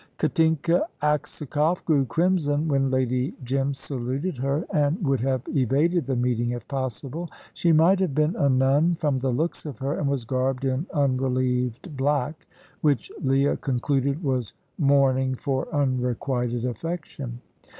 Katinka Aksakoff grew crimson when Lady Jim saluted her, and would have evaded the meeting if possible. She might have been a nun from the looks of her, and was garbed in unrelieved black, which Leah concluded was mourning for unrequited affection.